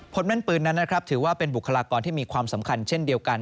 แม่นปืนนั้นนะครับถือว่าเป็นบุคลากรที่มีความสำคัญเช่นเดียวกัน